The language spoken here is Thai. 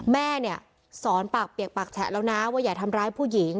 แม่เนี่ยสอนปากเปียกปากแฉะแล้วนะว่าอย่าทำร้ายผู้หญิง